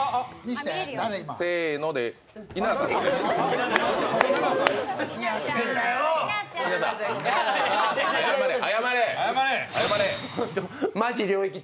せーので稲田さんですね。